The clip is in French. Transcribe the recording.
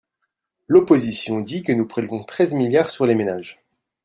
L’opposition dit que nous prélevons treize milliards sur les ménages.